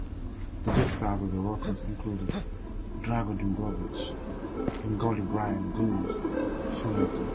The big stars of the Rockers included Drago Dumbovic and goalie Bryan "Goose" Finnerty.